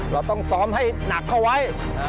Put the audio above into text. เราต้องซ้อมให้หนักเข้าไว้